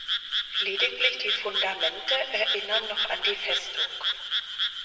Lediglich die Fundamente erinnern noch an die Festung.